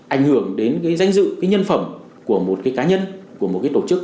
ảnh hưởng đến cái danh dự cái nhân phẩm của một cái cá nhân của một cái tổ chức